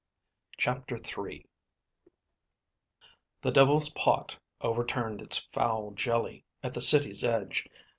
CHAPTER III The Devil's Pot overturned its foul jelly at the city's edge.